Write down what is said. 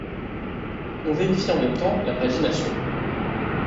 On vérifie en même temps la pagination.